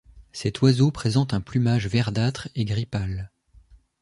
Cet oiseau présente un plumage verdâtre et gris pâle.